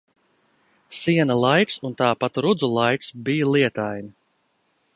Siena laiks un tāpat rudzu laiks bij lietaini.